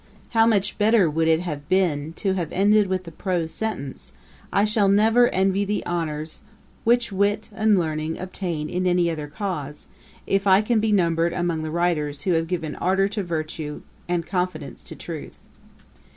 How much better would it have been, to have ended with the prose sentence 'I shall never envy the honours which wit and learning obtain in any other cause, if I can be numbered among the writers who have given ardour to virtue, and confidence to truth.'